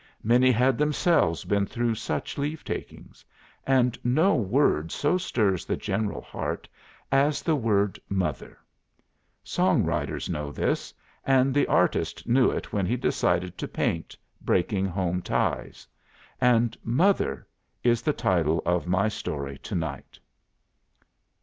Many had themselves been through such leave takings; and no word so stirs the general heart as the word 'mother'. Song writers know this; and the artist knew it when he decided to paint 'Breaking Home Ties.' And 'Mother' is the title of my story to night."